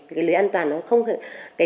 cái lưới an toàn nó không hề